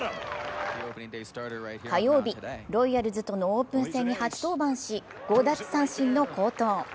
火曜日、ロイヤルズとのオープン戦に初登板し、５奪三振の好投。